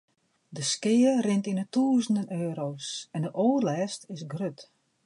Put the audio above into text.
De skea rint yn 'e tûzenen euro's en de oerlêst is grut.